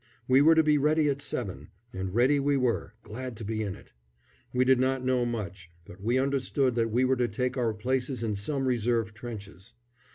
We were to be ready at seven, and ready we were, glad to be in it. We did not know much, but we understood that we were to take our places in some reserve trenches.